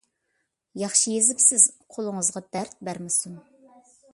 ياخشى يېزىپسىز، قولىڭىزغا دەرد بەرمىسۇن.